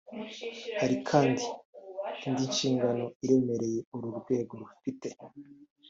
Hari kandi indi nshingano iremereye uru rwego rufite